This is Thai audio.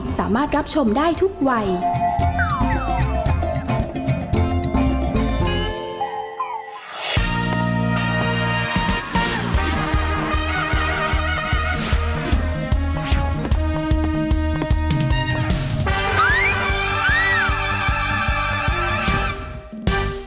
แม่บ้านประจันบรรดิ์สวัสดีค่ะ